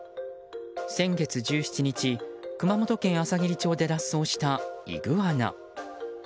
先月１７日、熊本県あさぎり町で脱走したイグアナ。